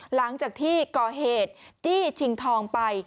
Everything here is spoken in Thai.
หลังจากที่ก่อเหตุจี้ชิงทองไป